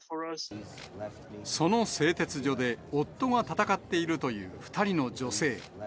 その製鉄所で夫が戦っているという２人の女性。